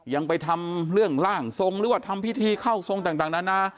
ยังไปทำเรื่องร่างทรงหรือว่าทำพิธีเข้าทรงต่างนานา